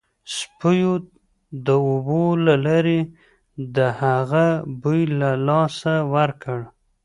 سپیو د اوبو له لارې د هغه بوی له لاسه ورکړ